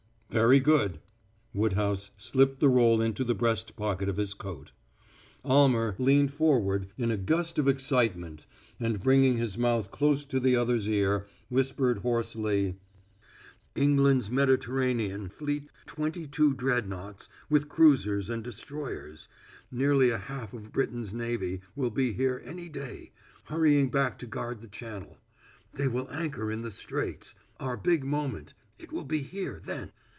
"Very good." Woodhouse slipped the roll into the breast pocket of his coat. Almer leaned forward in a gust of excitement, and, bringing his mouth close to the other's ear, whispered hoarsely: "England's Mediterranean fleet twenty two dreadnaughts, with cruisers and destroyers nearly a half of Britain's navy, will be here any day, hurrying back to guard the Channel. They will anchor in the straits. Our big moment it will be here then!